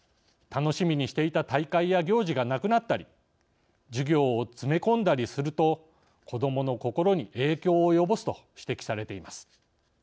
楽しみにしていた大会や行事がなくなったり授業を詰め込んだりすると子どもの心に影響を及ぼすと指摘されています。